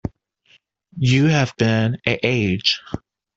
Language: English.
You have been an age.